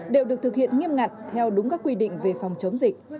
đều được thực hiện nghiêm ngặt theo đúng các quy định về phòng chống dịch